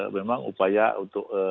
memang upaya untuk